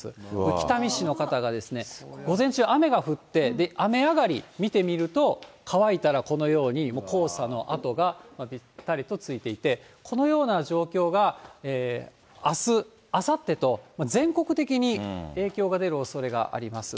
北見市の方が午前中、雨が降って、雨上がり見てみると、乾いたらこのように黄砂の跡がびったりとついていて、このような状況があす、あさってと、全国的に影響が出るおそれがあります。